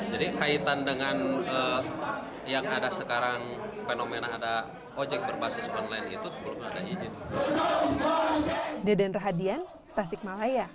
jadi kaitan dengan yang ada sekarang fenomena ada ojek berbasis online itu belum ada izin